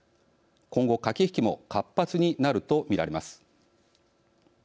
今後、駆け引きも活発になるとみられます。